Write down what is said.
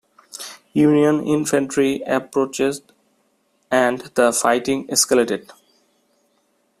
Union infantry approached and the fighting escalated.